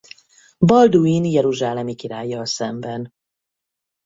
Balduin jeruzsálemi királlyal szemben.